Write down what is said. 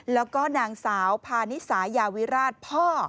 แล้วก็นางสาวพานิสายาวิราชพ่อ